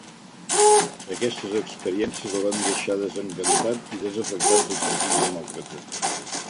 Aquestes experiències el van deixar desencantat i desafectat del Partit Demòcrata.